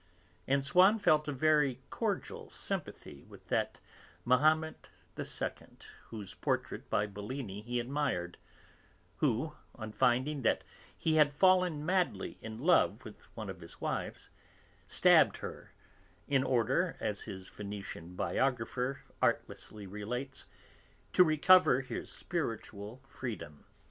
And Swann felt a very cordial sympathy with that Mahomet II whose portrait by Bellini he admired, who, on finding that he had fallen madly in love with one of his wives, stabbed her, in order, as his Venetian biographer artlessly relates, to recover his spiritual freedom.